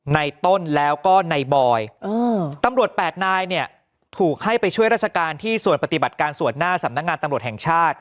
ในต้นแล้วก็ในบอยตำรวจ๘นายเนี่ยถูกให้ไปช่วยราชการที่ส่วนปฏิบัติการส่วนหน้าสำนักงานตำรวจแห่งชาติ